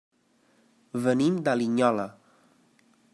Venim de Linyola.